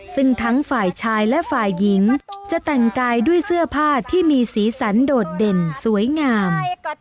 ซึ่งทั้งฝ่ายชายและฝ่ายหญิงจะแต่งกายด้วยเสื้อผ้าที่มีสีสันโดดเด่นสวยงาม